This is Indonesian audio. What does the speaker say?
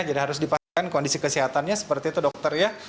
jadi harus dipasangkan kondisi kesehatannya seperti itu dokter ya